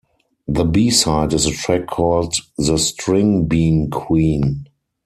The B-side is a track called 'The String Bean Queen'.